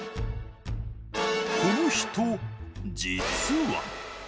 この人実は。